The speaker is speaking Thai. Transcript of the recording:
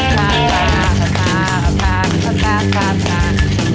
ปลาปลาปลาปลาปลาปลา